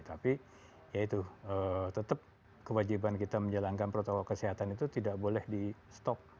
tapi ya itu tetap kewajiban kita menjalankan protokol kesehatan itu tidak boleh di stop